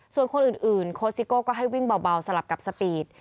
ส่วนคนอื่นอื่นโคสิโกก็ให้วิ่งเบาเบาสลับกับสปีด